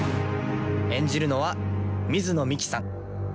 演じるのは水野美紀さん。